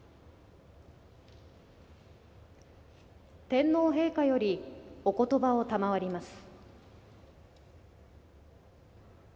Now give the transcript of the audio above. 天皇陛下よりおことばを賜ります。